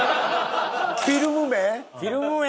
フィルム目？